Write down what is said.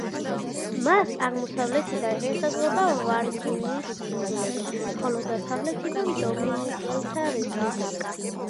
მას აღმოსავლეთიდან ესაზღვრება ვირჯინიის კუნძულები, ხოლო დასავლეთიდან დომინიკელთა რესპუბლიკა.